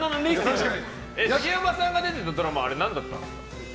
杉山さんが出てたドラマは何だったんですか？